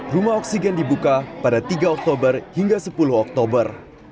rumah oksigen dibuka pada tiga oktober hingga sepuluh oktober